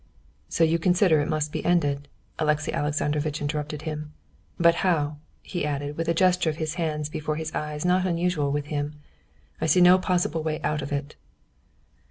"So you consider it must be ended?" Alexey Alexandrovitch interrupted him. "But how?" he added, with a gesture of his hands before his eyes not usual with him. "I see no possible way out of it."